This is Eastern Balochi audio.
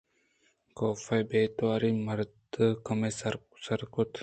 کاف ءِ بے تواری ءَ مرد کمے سرد کُت